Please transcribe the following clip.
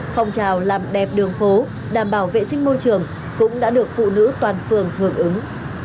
phòng trào làm đẹp đường phố đảm bảo vệ sinh môi trường cũng đã được phụ nữ toàn phường hưởng ứng